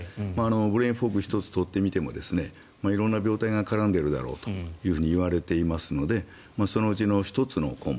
ブレインフォグ１つ取ってみても色んな病態が絡んでいるだろうといわれていますのでそのうちの１つの項目